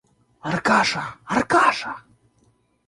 Аркаша! Аркаша!